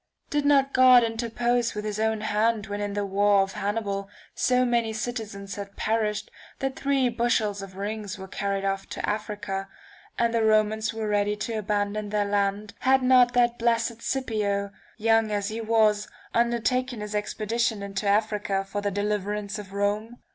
Did not God interpose with his own hand when in the war of Hannibal so many citizens had perished that three bushels of rings were carried off to Africa, and the Romans were ready to abandon their land had not that blessed [1703 Scipio, young as he was, undertaken his expedition into Africa for the deliverance of Rome